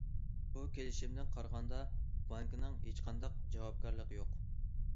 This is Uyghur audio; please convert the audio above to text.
بۇ كېلىشىمدىن قارىغاندا، بانكىنىڭ ھېچقانداق جاۋابكارلىقى يوق.